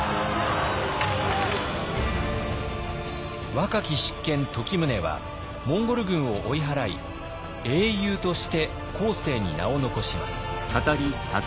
若き執権時宗はモンゴル軍を追い払い英雄として後世に名を残します。